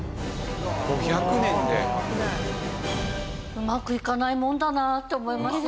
うまくいかないもんだなって思いますよね。